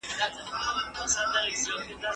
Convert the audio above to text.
دلارام د نوي افغانستان په جوړولو کي ونډه اخیستې ده.